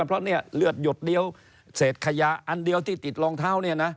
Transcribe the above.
เพราะเลือดหยดเดียวเศษขยะอันเดียวที่ติดรองเท้า